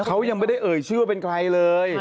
เขายังไม่ได้เอ่ยชื่อว่าเป็นใครเลย